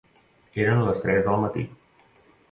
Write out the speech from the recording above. Eren les tres del matí.